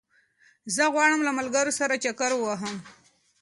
زه غواړم له ملګرو سره چکر ووهم